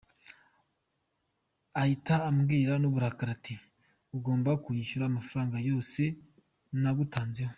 Ahita ambwira n’uburakari ati agomba kunyishyura amafaranga yose nagutanzeho.